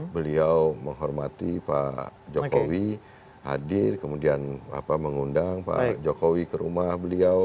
beliau menghormati pak jokowi hadir kemudian mengundang pak jokowi ke rumah beliau